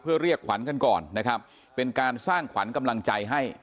เพื่อเรียกขวัญกันก่อนนะครับเป็นการสร้างขวัญกำลังใจให้